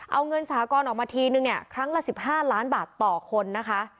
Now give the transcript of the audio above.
เอาเงินสหกรณ์ออกมาทีนึงเนี่ยครั้งละ๑๕ล้านบาทต่อคนนะคะ